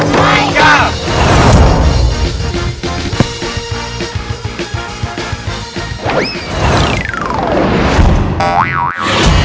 pun mata emsi